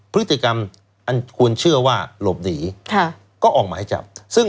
พฤติกรรมอันควรเชื่อว่าหลบหนีก็ออกหมายจับซึ่ง